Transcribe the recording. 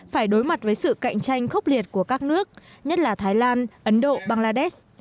phải đối mặt với sự cạnh tranh khốc liệt của các nước nhất là thái lan ấn độ bangladesh